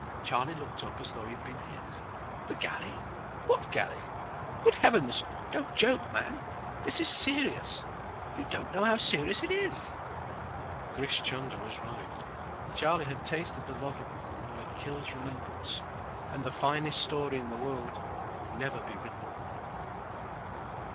Charlie looked up as though he had been hit. "The galley—what galley? Good heavens, don't joke, man! This is serious! You don't know how serious it is!" Grish Chunder was right. Charlie had tasted the love of woman that kills remembrance, and the "finest story" in the world would never be written.